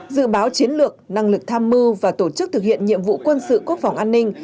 dự báo chiến lược năng lực tham mưu và tổ chức thực hiện nhiệm vụ quân sự quốc phòng an ninh